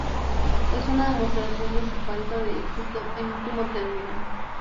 es una demostración de su falta de éxito en último término